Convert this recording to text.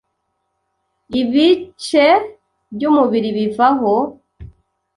ibiice by’umubiri bivaho